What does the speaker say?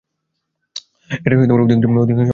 এটাই অধিকাংশ আলিমের অভিমত।